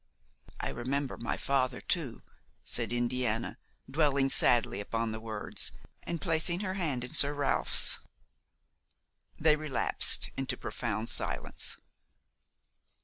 "I remember my father, too," said Indiana, dwelling sadly upon the words and placing her hand in Sir Ralph's. They relapsed into profound silence.